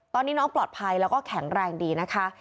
ตอนนี้น้องปลอดภัยแล้วก็แข็งแรงดีนะคะ